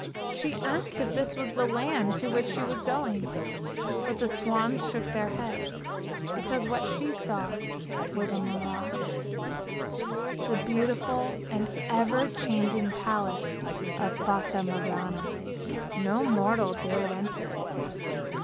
She asked if this was the land to which she was going, but the swans shook their heads, because what she saw was a mirage; the beautiful and ever changing palace of Fata Morgana. No mortal dared enter it.